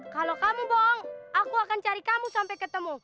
kalau kamu bohong aku akan cari kamu sampai ketemu